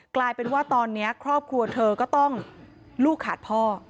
กลายเป็นว่าตอนนี้ครอบครัวเธอก็ต้องลูกขาดพ่อ